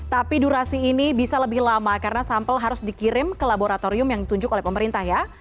tapi durasi ini bisa lebih lama karena sampel harus dikirim ke laboratorium yang ditunjuk oleh pemerintah ya